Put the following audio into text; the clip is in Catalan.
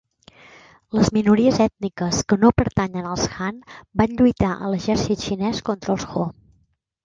Les minories ètniques que no pertanyen als Han van lluitar a l'exèrcit xinès contra els Ho.